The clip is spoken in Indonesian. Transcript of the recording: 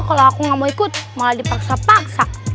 kalau aku nggak mau ikut malah dipaksa paksa